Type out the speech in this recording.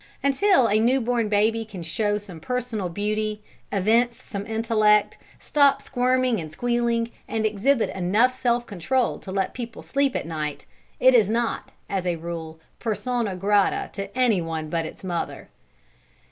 Until a new born baby can show some personal beauty, evince some intellect, stop squirming and squealing, and exhibit enough self control to let people sleep at night, it is not, as a rule, persona grata to any one but its mother.